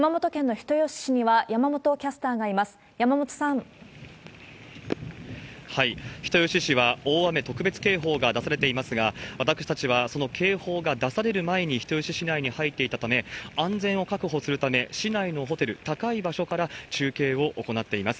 人吉市は大雨特別警報が出されていますが、私たちはその警報が出される前に人吉市内に入っていたため、安全を確保するため、市内のホテル、高い場所から中継を行っています。